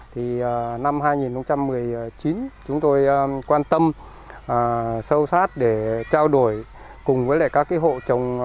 thì năm hai nghìn một mươi chín chúng tôi quan tâm sâu sát để trao đổi cùng với lại các cái hộ trồng